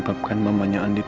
dan kekeliruan serta keberanian